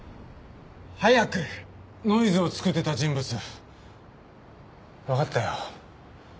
ノイズを作ってた人物わかったよ。